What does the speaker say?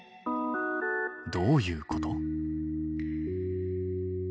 どういうこと？